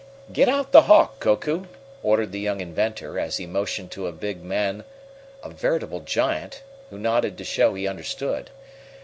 "Get out the Hawk, Koku," ordered the young inventor, as he motioned to a big man a veritable giant who nodded to show he understood.